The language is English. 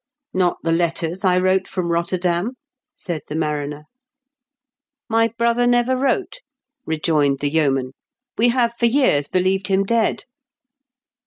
" Not the letters I wrote from Rotterdam ?" said the mariner. " My brother never wrote," rejoined the yeoman. " We have for years believed him dead."